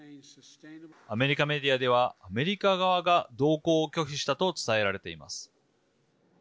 アメリカメディアではアメリカ側が同行を拒否したと伝えられています。